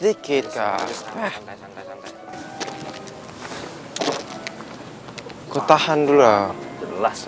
ih karlo apaan sih